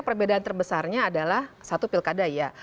perbedaan terbesarnya adalah satu pilkada ya